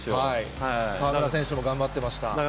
河村選手も頑張っていました。